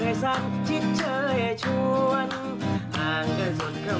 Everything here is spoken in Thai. เอี๋ยำลำโซยมา